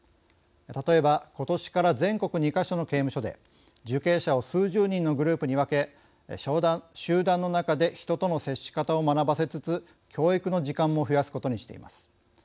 例えば、ことしから全国２か所の刑務所で受刑者を数十人のグループに分け集団の中で人との接し方を学ばせつつ教育の時間も増やすことにしています。